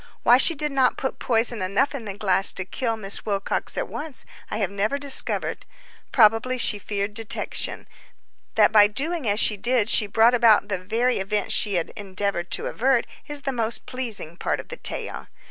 Why she did not put poison enough in the glass to kill Miss Wilcox at once I have never discovered. Probably she feared detection. That by doing as she did she brought about the very event she had endeavored to avert, is the most pleasing part of the tale.